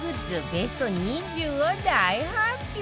ベスト２０を大発表